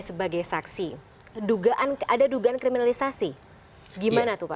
sebagai saksi ada dugaan kriminalisasi gimana tuh pak